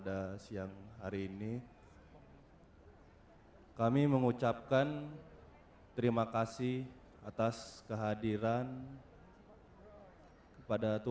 dilanjutkan dengan anak kami bobi nastyo